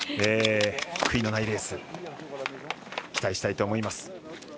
悔いのないレース期待したいと思います。